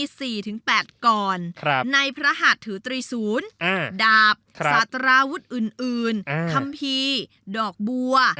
มี๔๘กรในพระหัสถือตรีศูนย์ดาบสตราวุฒิอื่นคำพีดอกบัว